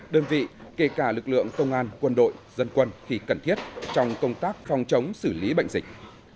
đơn vị kể cả lực lượng công an quân đội dân quân khi cần thiết trong công tác phòng chống xử lý bệnh dịch